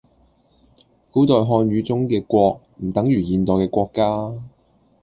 古代漢語中嘅「國」唔等同現代嘅「國家」